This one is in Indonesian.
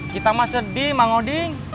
kita mak sedih mang oding